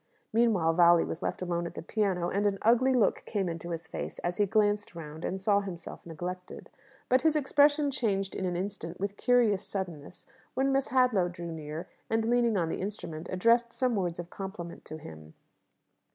Meanwhile Valli was left alone at the piano, and an ugly look came into his face as he glanced round and saw himself neglected. But his expression changed in an instant with curious suddenness when Miss Hadlow drew near, and, leaning on the instrument, addressed some words of compliment to him.